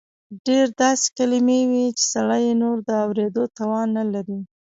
ډېر داسې کلیمې وې چې سړی یې نور د اورېدو توان نه لري.